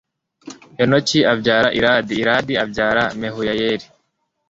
henoki abyara iradi iradi abyara mehuyayeli